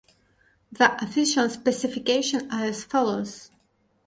The official specifications are as follows.